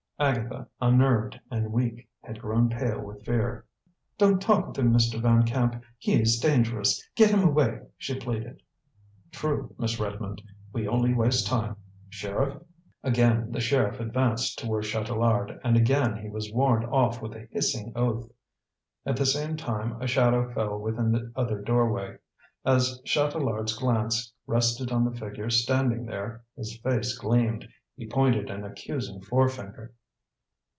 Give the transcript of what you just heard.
Agatha, unnerved and weak, had grown pale with fear. "Don't talk with him, Mr. Van Camp, he is dangerous. Get him away," she pleaded. "True, Miss Redmond. We only waste time. Sheriff " Again the sheriff advanced toward Chatelard, and again he was warned off with a hissing oath. At the same moment a shadow fell within the other doorway. As Chatelard's glance rested on the figure standing there, his face gleamed. He pointed an accusing forefinger.